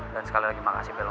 dan sekali lagi makasih belom